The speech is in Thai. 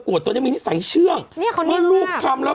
กวดตัวยังมีนิสัยเชื่องเนี่ยเขานิ่งมากพอลูกคร่ามแล้ว